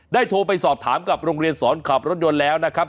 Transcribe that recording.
โทรไปสอบถามกับโรงเรียนสอนขับรถยนต์แล้วนะครับ